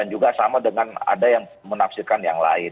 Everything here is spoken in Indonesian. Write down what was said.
dan juga sama dengan ada yang menafsirkan yang lain